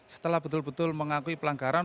setelah betul betul mengakui pelanggaran